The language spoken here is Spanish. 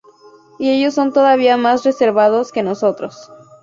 Y ellos son todavía más reservados que nosotros.